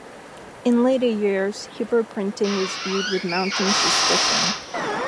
In later years Hebrew printing was viewed with mounting suspicion.